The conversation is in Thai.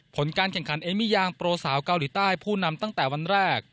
ผลการแข่งขันเอมี่ยางโปรสาวเกาหลีใต้ผู้นำตั้งแต่วันแรก